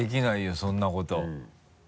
そんなこと。